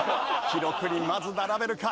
記録にまず並べるか。